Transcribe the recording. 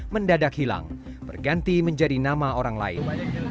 mendadak hilang berganti menjadi nama orang lain